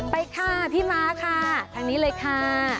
ไปค่ะพี่ม้าค่ะทางนี้เลยค่ะ